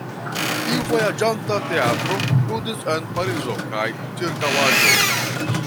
Tiu vojaĝanta teatro ludis en Parizo kaj ĉirkaŭaĵo.